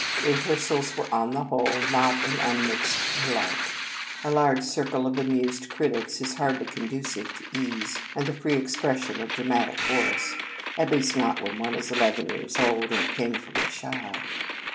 " Rehearsals were, on the whole, not an unmixed delight. A large circle of amused critics is hardly conducive to ease, and the free expression of dramatic force, at least, not when one is eleven years old, and painfully shy.